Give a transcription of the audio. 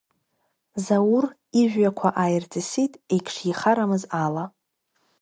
Заур ижәҩақәа ааирҵысит, егьшихарамыз ала.